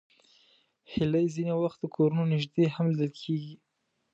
هیلۍ ځینې وخت د کورونو نږدې هم لیدل کېږي